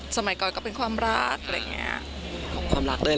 สมัยก่อนก็เป็นความรัก